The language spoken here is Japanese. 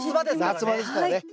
夏場ですからね。